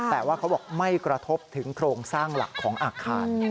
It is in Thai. แต่ว่าเขาบอกไม่กระทบถึงโครงสร้างหลักของอาคาร